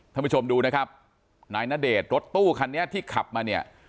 ท่านผู้ชมดูนะครับนายณเดชน์รถตู้คันนี้ที่ขับมาเนี่ย